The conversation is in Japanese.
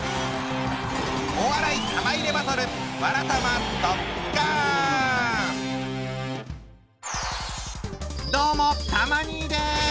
お笑い玉入れバトルどうもたま兄です！